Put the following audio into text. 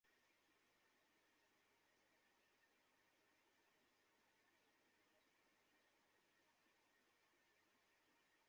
বিধাতা গরিবের চাল আত্মসাৎকারীদের ক্ষমা করলেও, ক্ষুধার্ত চাল ক্রেতারা তাদের ক্ষমা করতে নারাজ।